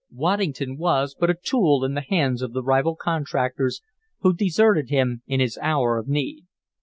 Waddington was but a tool in the hands of the rival contractors, who deserted him in his hour of need.